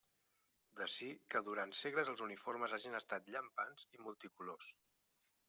D'ací que durant segles els uniformes hagin estat llampants i multicolors.